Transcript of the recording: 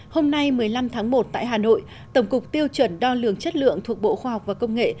hôm nay một mươi năm tháng một tại hà nội tổng cục tiêu chuẩn đo lường chất lượng thuộc bộ khoa học và công nghệ